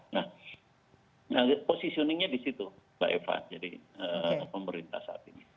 nah positioning nya di situ pak eva jadi pemerintah saat ini